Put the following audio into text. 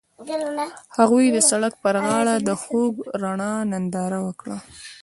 هغوی د سړک پر غاړه د خوږ رڼا ننداره وکړه.